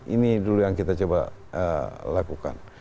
ini dulu yang kita coba lakukan